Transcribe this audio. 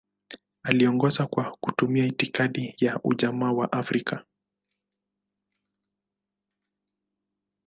Aliongoza kwa kutumia itikadi ya Ujamaa wa Afrika.